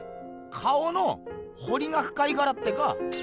顔のほりがふかいからってか？